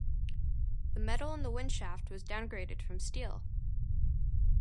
The metal in the wind shaft was downgraded from steel.